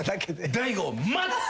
大悟。